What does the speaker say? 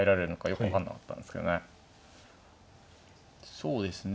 そうですね。